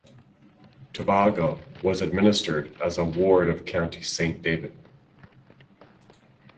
Tobago was administered as a Ward of County Saint David.